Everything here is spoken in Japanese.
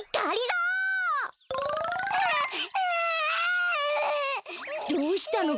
どうしたの？